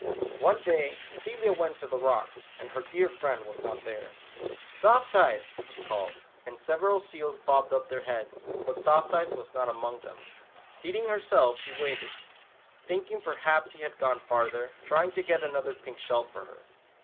One day Celia went to the rocks, and her dear friend was not there. 42 Tula Oolah. "Soft Eyes," she called, and several seals bobbed up their heads, but Soft Eyes was not among them. Seating herself she waited, thinking perhaps he had gone farther, trying to get another pink shell for her.